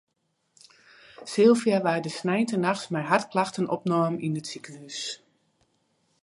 Sylvia waard de sneintenachts mei hartklachten opnommen yn it sikehûs.